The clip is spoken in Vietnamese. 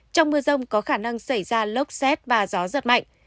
trong mưa rông có khả năng xảy ra lốc xét và gió giật mạnh